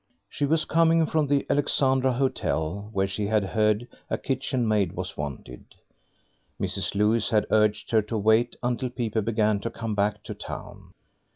She was coming from the Alexandra Hotel, where she had heard a kitchen maid was wanted. Mrs. Lewis had urged her to wait until people began to come back to town.